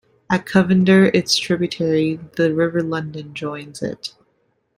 At Covender its tributary, the River Lodon, joins it.